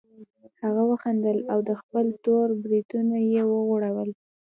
هغه وخندل او خپل تور بریتونه یې وغوړول